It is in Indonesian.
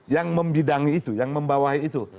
yang membidangi itu yang membawahi itu